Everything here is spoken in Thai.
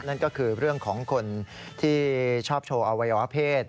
นั่นก็คือเรื่องของคนที่ชอบโชว์อวัยวะเพศ